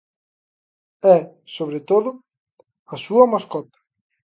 E, sobre todo, á súa mascota.